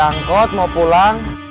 diangkut mau pulang